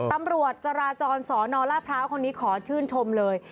ตำรวจจราจรสนราชพร้าวคนนี้ขอชื่นชมเลย